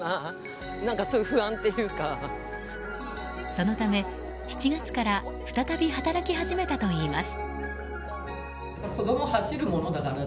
そのため、７月から再び働き始めたといいます。